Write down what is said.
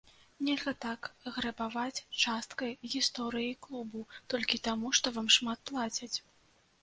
Нельга так грэбаваць часткай гісторыі клубу толькі таму, што вам шмат плацяць.